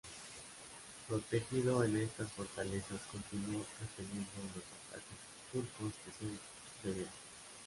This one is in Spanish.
Protegido en estas fortalezas continuó repeliendo los ataques turcos que se sucedieron.